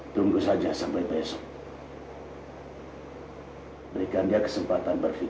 tunggu saja sampai besok berikan dia kesempatan berpikir